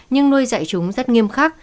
nhưng nuôi dạy chúng rất nghiêm khắc